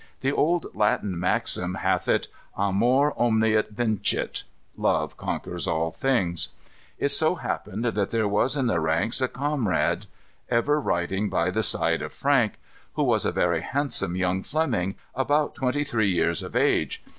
The old Latin maxim hath it, "Amor omnia vincit," Love conquers all things. It so happened that there was in the ranks a comrade, ever riding by the side of Frank, who was a very handsome young Fleming, about twenty three years of age.